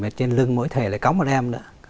trên lưng mỗi thầy lại có một em nữa